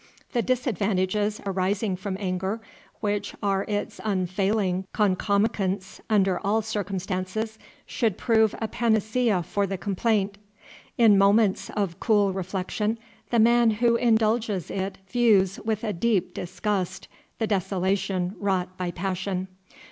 The disadvantages arising from anger, which are its unfailing concomicants under all circumstances, should prove a panacea for the complaint. In moments of cool reflection the man who indulges it views with a deep disgust the desolation wrought by passion.